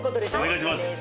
お願いします。